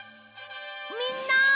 みんな！